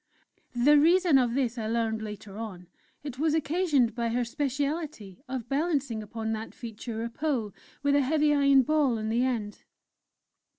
The reason of this I learned later on; it was occasioned by her specialty of balancing upon that feature a pole with a heavy iron ball on the end!